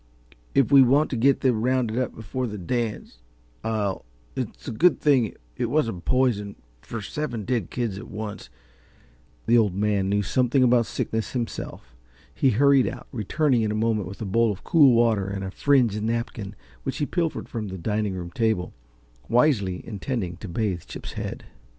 "If we want to get them rounded up before the dance, I'll it's a good thing it wasn't poison, for seven dead kids at once " The Old Man knew something about sickness himself. He hurried out, returning in a moment with a bowl of cool water and a fringed napkin which he pilfered from the dining room table, wisely intending to bathe Chip's head.